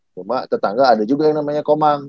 cuma tetangga ada juga yang namanya komang